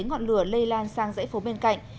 ngọn lửa lây lan sang dãy phố bên cạnh